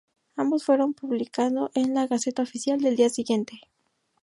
Ambos fueron publicado en la "Gaceta Oficial" del día siguiente.